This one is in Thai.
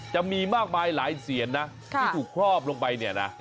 จะมีมากมายหลายเสียงที่ถูกครอบลงไป